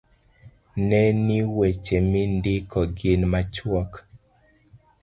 Ne ni weche mindiko gin machuok